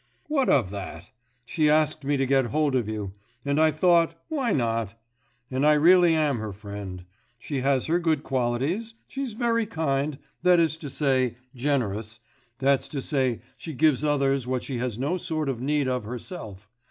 'What of that? she asked me to get hold of you; and I thought, why not? And I really am her friend. She has her good qualities: she's very kind, that is to say, generous, that's to say she gives others what she has no sort of need of herself.